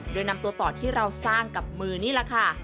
โดยนำตัวต่อที่เราสร้างกับมือนี่แหละค่ะ